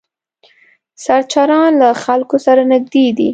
سرچران له خلکو سره نږدې دي.